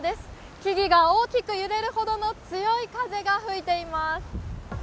木々が大きく揺れるほどの強い風が吹いています。